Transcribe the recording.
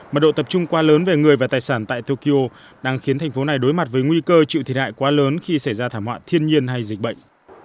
mật độ tập trung quá lớn về người và tài sản tại tokyo đang khiến thành phố này đối mặt với nguy cơ chịu thiệt hại quá lớn khi xảy ra thảm họa thiên nhiên hay dịch bệnh